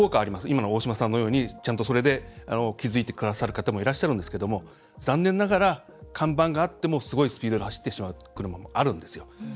今の大島さんのように、ちゃんとそれで気付いてくださる方もいらっしゃるんですけれども残念ながら、看板があってもすごいスピードで走ってしまう車もあるんですよ。